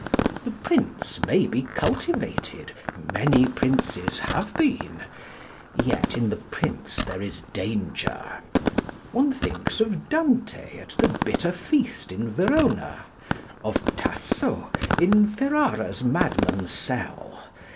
The Prince may be cultivated. Many Princes have been. Yet in the Prince there is danger. One thinks of Dante at the bitter feast in Verona, of Tasso in Ferrara's madman's cell.